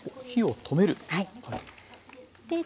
火を止める？